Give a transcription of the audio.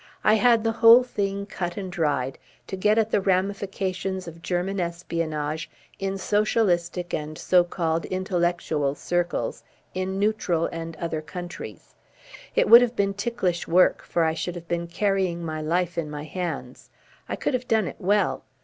I had the whole thing cut and dried to get at the ramifications of German espionage in socialistic and so called intellectual circles in neutral and other countries. It would have been ticklish work, for I should have been carrying my life in my hands. I could have done it well.